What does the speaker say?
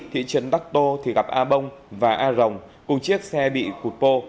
thị trấn đắc tô thì gặp a bông và a rồng cùng chiếc xe bị cụt pô